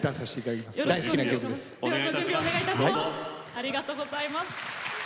ありがとうございます。